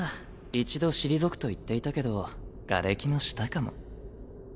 一度退くと言っていたけどがれきの下かも。